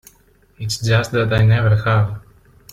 It's just that I never have.